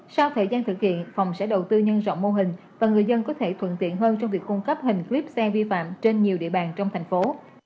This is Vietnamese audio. sau thời gian thực hiện phòng sẽ đầu tư nhân rộng mô hình và người dân có thể thuận tiện hơn trong việc cung cấp hình clip xe vi phạm trên nhiều địa bàn trong thành phố